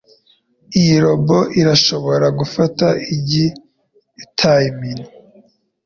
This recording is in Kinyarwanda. Iyi robot irashobora gufata igi itayimennye.